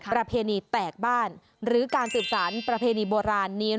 ประเพณีแตกบ้านหรือการสืบสารประเพณีโบราณนี้